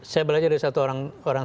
saya belajar dari satu orang